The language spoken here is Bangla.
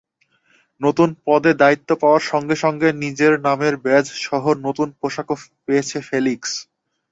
নতুন পদে দায়িত্ব পাওয়ার সঙ্গে সঙ্গে নিজের নামের ব্যাজসহ নতুন পোশাকও পেয়েছে ফেলিক্স।